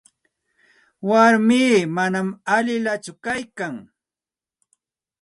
Warmii manam allillakutsu kaykan.